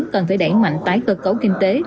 cần phải đẩy mạnh tái cơ cấu kinh tế